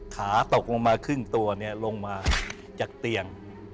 ขาตกลงมาครึ่งตัวลงมาจากเตียง